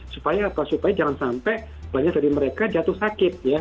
supaya jangan sampai banyak dari mereka jatuh sakit ya